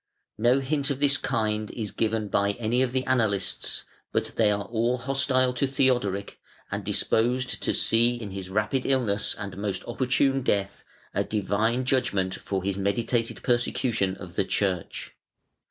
No hint of this kind is given by any of the annalists, but they are all hostile to Theodoric and disposed to see in his rapid illness and most opportune death a Divine judgment for his meditated persecution of the Church.